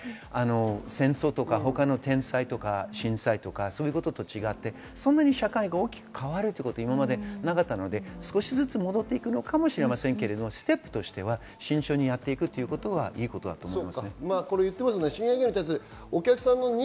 戦争とか他の天災、震災それと違って、そんなに社会が大きく変わるということは今までなかったので少しずつ戻っていくかもしれませんが、ステップとしては慎重にやっていくことはいいことだと思います。